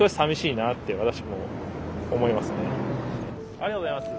ありがとうございます。